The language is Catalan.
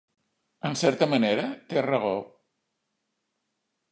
En certa manera, té raó.